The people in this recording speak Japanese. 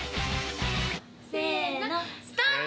せのスタート！